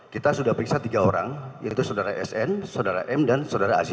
kita sudah periksa tiga orang yaitu saudara sn saudara m dan saudara ac